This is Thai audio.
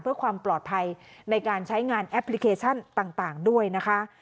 เพื่อความปลอดภัยในการใช้งานแอปพลิเคชันต่างด้วยนะคะ